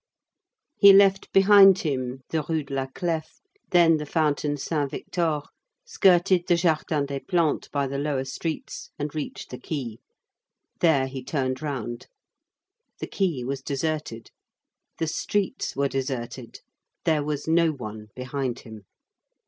14 He left behind him the Rue de la Clef, then the Fountain Saint Victor, skirted the Jardin des Plantes by the lower streets, and reached the quay. There he turned round. The quay was deserted. The streets were deserted. There was no one behind him.